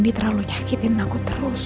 dia terlalu nyakitin aku terus